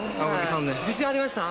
「自信ありました？」